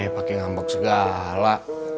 pakai ngambek segala